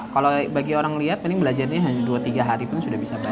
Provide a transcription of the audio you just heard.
kalau bagi orang lihat paling belajarnya hanya dua tiga hari pun sudah bisa belajar